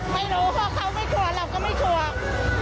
ไม่รู้ว่าเขาไม่ทัวร์เราก็ไม่ทัวร์